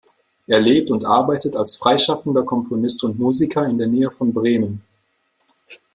Er lebt und arbeitet als freischaffender Komponist und Musiker in der Nähe von Bremen.